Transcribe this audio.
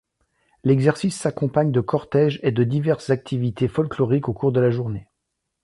L'exercice s'accompagne de cortèges et de diverses activités folkloriques au cours de la journée.